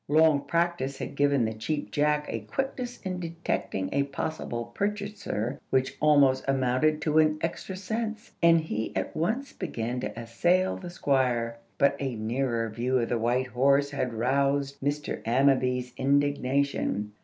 Long practice had given the Cheap Jack a quickness in detecting a possible purchaser which almost amounted to an extra sense, and he at once began to assail the Squire. But a nearer view of the white horse had roused Mr. Ammaby's indignation.